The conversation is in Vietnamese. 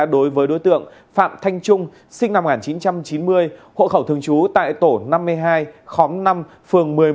đối với đối tượng phạm thanh trung sinh năm một nghìn chín trăm chín mươi hộ khẩu thường trú tại tổ năm mươi hai khóm năm phường một mươi một